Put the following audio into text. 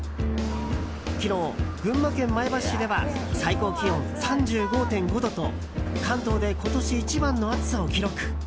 昨日、群馬県前橋市では最高気温３５．５度と関東で今年一番の暑さを記録。